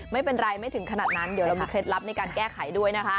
ไม่เป็นไรไม่ถึงขนาดนั้นเดี๋ยวเรามีเคล็ดลับในการแก้ไขด้วยนะคะ